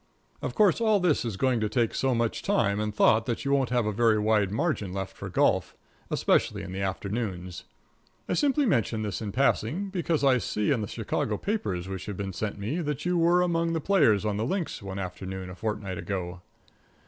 Of course, all this is going to take so much time and thought that you won't have a very wide margin left for golf especially in the afternoons. I simply mention this in passing, because I see in the Chicago papers which have been sent me that you were among the players on the links one afternoon a fortnight ago.